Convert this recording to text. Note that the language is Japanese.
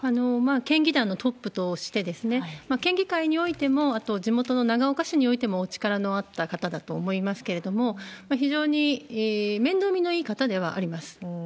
県議団のトップとして、県議会においても、また地元の長岡市においても力のあった方だと思いますけれども、非常に面倒見のいい方ではあります。